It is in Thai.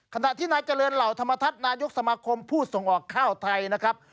ขณะที่นายเจริญเหล่าธรรมทัศน์นายกสมาคมผู้ส่งออกข้าวไทยนะครับ